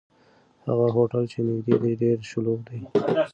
هغه هوټل چې نږدې دی، ډېر شلوغ دی.